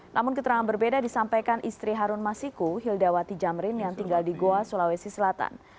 namun keterangan berbeda disampaikan istri harun masiku hildawati jamrin yang tinggal di goa sulawesi selatan